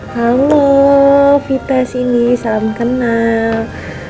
halo vita sini salam kenal